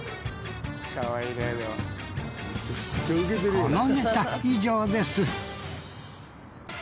このネタ以上です